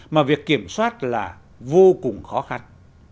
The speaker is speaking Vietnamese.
mà việc kiểm soát là vô cùng khó khăn